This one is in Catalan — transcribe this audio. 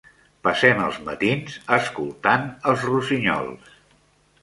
Passem els matins escoltant els rossinyols.